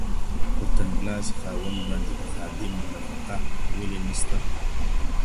پر تنګلاسي خاوند باندې د خادم نفقه ولي نشته؟